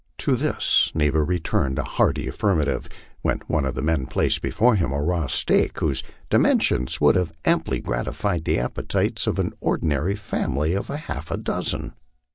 To this Neva returned a hearty affirmative, when one of the men placed before him a raw steak, whose dimensions would have amply grati fied the appetites of an ordinary family of half a dozen.